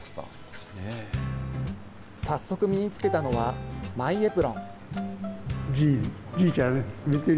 早速身に着けたのはマイエプロン。